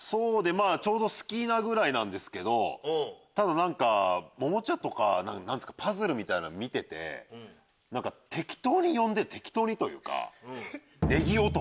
まぁちょうど好きなぐらいなんですけどただオモチャとかパズルみたいなの見てて何か適当に呼んで適当にというか。